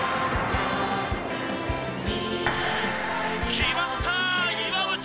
決まった岩渕！